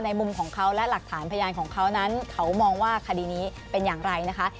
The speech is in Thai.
มุมของเขาและหลักฐานพยานของเขานั้นเขามองว่าคดีนี้เป็นอย่างไรนะคะ